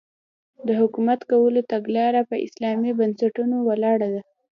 د حکومت کولو تګلاره په اسلامي بنسټونو ولاړه ده.